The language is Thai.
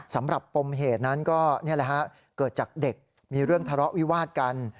สำหรับปมเหตุนั้นก็เกิดจากเด็กมีเรื่องทะเลาะวิวาดกัน